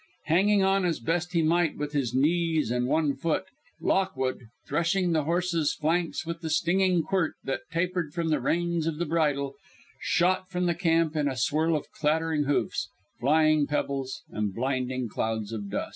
Hanging on as best he might with his knees and one foot, Lockwood, threshing the horse's flanks with the stinging quirt that tapered from the reins of the bridle, shot from the camp in a swirl of clattering hoofs, flying pebbles and blinding clouds of dust.